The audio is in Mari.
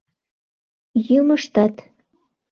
Йӱмыштат